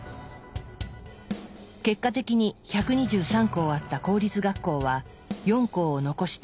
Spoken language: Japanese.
結果的に１２３校あった公立学校は４校を残して全て潰されました。